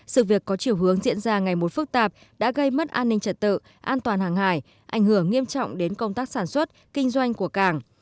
sự việc có chiều hướng diễn ra ngày một phức tạp đã gây mất an ninh trật tự an toàn hàng hài ảnh hưởng nghiêm trọng đến công tác sản xuất kinh doanh của cảng